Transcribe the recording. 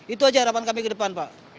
itu aja harapan kami ke depan pak